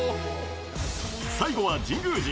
最後は神宮寺。